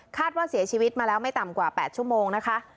ว่าเสียชีวิตมาแล้วไม่ต่ำกว่า๘ชั่วโมงนะคะ